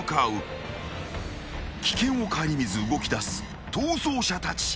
［危険を顧みず動きだす逃走者たち。